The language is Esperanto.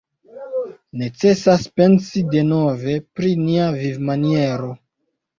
Necesas pensi denove pri nia vivmaniero.